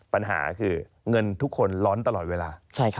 ปัญหาคือเงินทุกคนร้อนตลอดเวลา